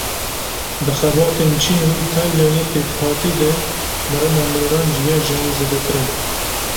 Di xebatên Çîn û Îtalyayê pêkhatî de mirina mêran ji ya jinan zêdetir e.